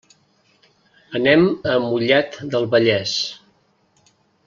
Anem a Mollet del Vallès.